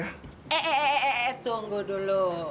eh eh eh eh tunggu dulu